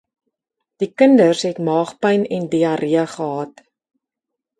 Die kinders het maagpyn en diarree gehad.